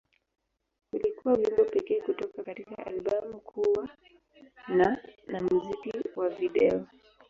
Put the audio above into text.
Ulikuwa wimbo pekee kutoka katika albamu kuwa na na muziki wa video.